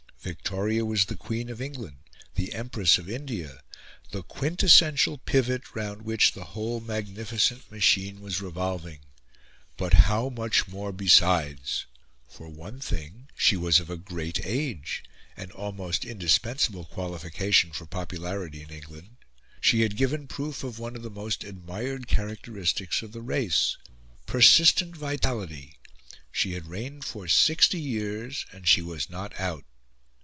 Victoria was the Queen of England, the Empress of India, the quintessential pivot round which the whole magnificent machine was revolving but how much more besides! For one thing, she was of a great age an almost indispensable qualification for popularity in England. She had given proof of one of the most admired characteristics of the race persistent vitality. She had reigned for sixty years, and she was not out.